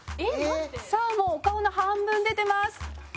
「さあもうお顔の半分出てます」